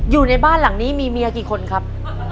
อยู่ในบ้านหลังนี้มีเมียกี่คนครับ